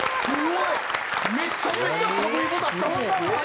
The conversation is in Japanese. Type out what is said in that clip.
すごい！